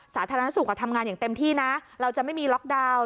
สาธารณสุขทำงานอย่างเต็มที่นะเราจะไม่มีล็อกดาวน์